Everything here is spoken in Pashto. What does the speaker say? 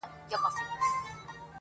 ه مړ يې که ژونديه ستا، ستا خبر نه راځي.